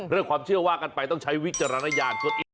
ความเชื่อว่ากันไปต้องใช้วิจารณญาณ